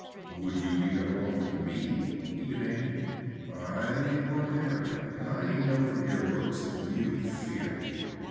'Would you be better off with me?' he demanded. 'I am a barbarian, and I know from your looks that you fear me.'